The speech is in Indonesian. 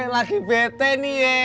lagi bete nih ye